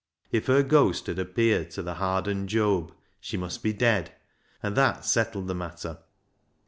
If her ghost had appeared to the hardened Job, she must be dead, and that settled the matter.